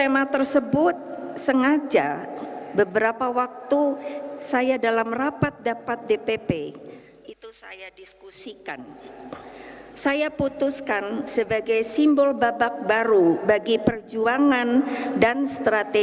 menjadi nomor satu